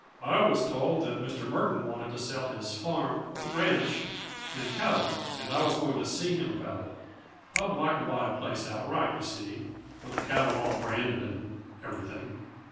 "I was told that Mr. Murton wanted to sell his far ranch and cattle, and I was going to see him about it. I would like to buy a place outright, you see, with the cattle all branded, and everything."